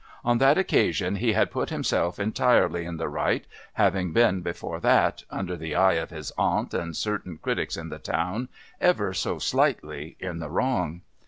On that occasion he had put himself entirely in the right, having been before that, under the eye of his aunt and certain critics in the town, ever so slightly in the wrong.